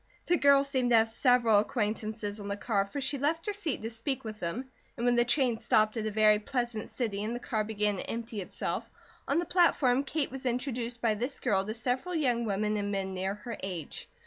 The girl seemed to have several acquaintances on the car, for she left her seat to speak with them and when the train stopped at a very pleasant city and the car began to empty itself, on the platform Kate was introduced by this girl to several young women and men near her age.